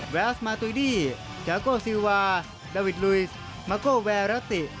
แวสมาตุยดี้จาโกซิวาดาวิทลุยสมาโกแวรัติ